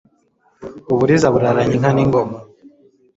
U Buriza buraranye inka n'ingoma